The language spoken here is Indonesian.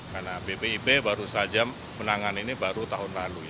karena bpib baru saja menangan ini baru tahun lalu